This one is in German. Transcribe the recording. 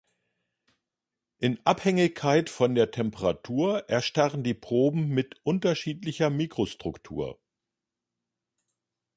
In Abhängigkeit von der Temperatur erstarren die Proben mit unterschiedlicher Mikrostruktur.